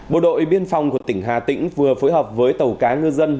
bộ đội biên phòng của tỉnh hà tĩnh vừa phối hợp với tàu cá ngư dân